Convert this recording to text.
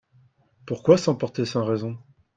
Pourquoi s'emporter sans raison ?